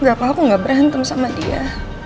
nggak apa apa aku nggak berantem sama dia